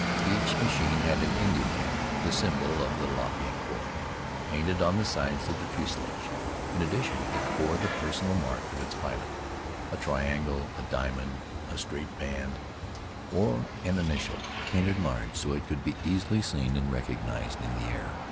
Each machine had an Indian head, the symbol of the Lafayette Corps, painted on the sides of the fuselage. In addition, it bore the personal mark of its pilot, a triangle, a diamond, a straight band, or an initial, painted large so that it could be easily seen and recognized in the air.